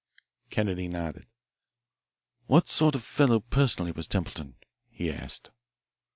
Kennedy nodded. "What sort of fellow personally was Templeton?" he asked.